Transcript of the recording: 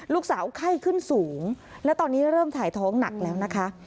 ลูกสาวไข้ขึ้นสูงและตอนนี้เริ่มถ่ายท้องหนักแล้วนะคะ